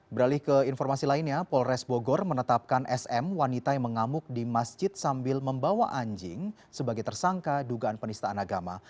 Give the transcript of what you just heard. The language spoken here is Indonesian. beralih ke informasi lainnya polres bogor menetapkan sm wanita yang mengamuk di masjid sambil membawa anjing sebagai tersangka dugaan penistaan agama